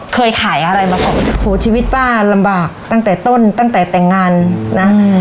เคยขายอะไรมาก่อนโหชีวิตป้าลำบากตั้งแต่ต้นตั้งแต่แต่งงานนะอืม